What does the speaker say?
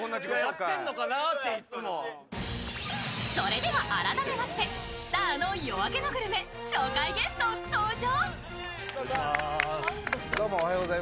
それでは改めまして「スターの夜明けのグルメ」、初回ゲスト登場。